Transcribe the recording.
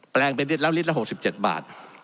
แปลงเป็นลิตรแล้วลิตรละ๖๗บาท